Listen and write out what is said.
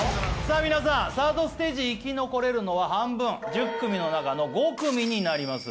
皆さんサードステージ生き残れるのは半分１０組の中の５組になります